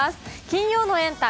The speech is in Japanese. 金曜のエンタ！